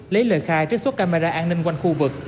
lấy lời khai trích xuất camera an ninh quanh khu vực